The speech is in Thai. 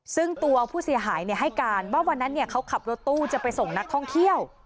ซึ่งตัวผู้เสียหายให้การว่าวันนั้นเขาขับรถตู้จะไปส่งนักท่องเที่ยว